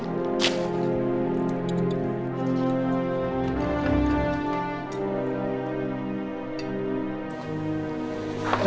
sampai jumpa di video selanjutnya